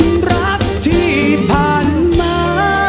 รักที่ผ่านมา